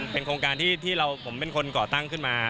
เป็นโครงการที่ผมเป็นคนก่อตั้งขึ้นมา